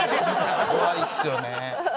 怖いっすよね。